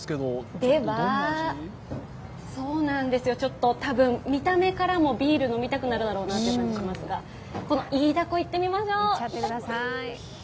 では、多分、見た目からもビール飲みたくなるだろうなって感じがしますがこのイイダコいってみましょう。